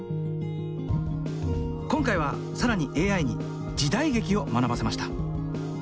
今回は更にＡＩに時代劇を学ばせました。